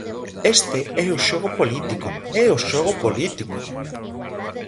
Este é o xogo político, é o xogo político.